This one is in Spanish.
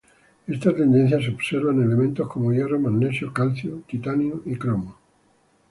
Esta tendencia se observa en elementos como hierro, magnesio, calcio, titanio y cromo.